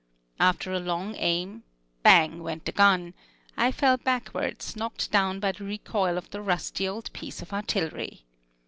After a long aim, bang went the gun I fell backwards, knocked down by the recoil of the rusty old piece of artillery.